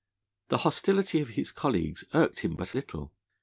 The hostility of his colleagues irked him but little.